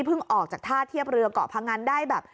ออกจากท่าเทียบเรือเกาะพงันได้แบบ